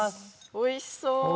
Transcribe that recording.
おいしそう。